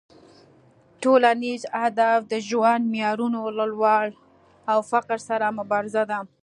ټولنیز اهداف د ژوند معیارونو لوړول او فقر سره مبارزه ده